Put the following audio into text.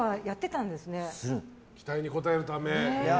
期待に応えるため。